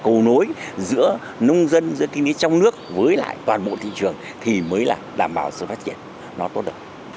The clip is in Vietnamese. cầu nối giữa nông dân giữa kinh tế trong nước với lại toàn bộ thị trường thì mới là đảm bảo sự phát triển nó tốt đẹp